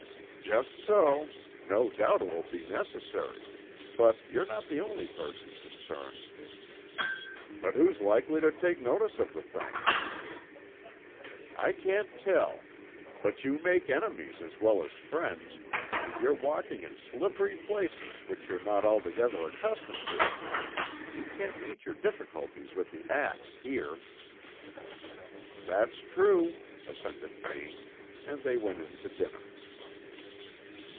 "Just so. No doubt it will be necessary; but you're not the only person concerned." "But who's likely to take notice of the thing?" "I can't tell; but you make enemies as well as friends, and you're walking in slippery places which you're not altogether accustomed to. You can't meet your difficulties with the axe here." "That's true," assented Vane, and they went in to dinner.